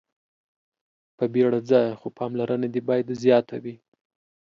په بيړه ځه خو پاملرنه دې باید زياته وي.